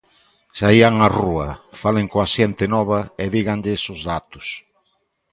Saían á rúa, falen coa xente nova e díganlles os datos.